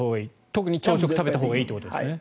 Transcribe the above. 特に朝食を食べたほうがいいということですね。